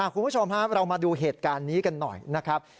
คุณผู้ชมครับเรามาดูเหตุการณ์นี้กันหน่อยนะครับ